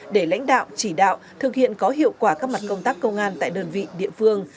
để lãnh đạo chỉ đạo thực hiện có hiệu quả các mặt công tác công an tại đơn vị địa phương